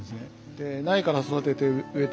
で苗から育てて植えたり。